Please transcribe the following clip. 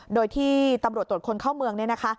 โดยที่ตำรวจตรวจคนเข้าเมืองเนี่ยนะคะ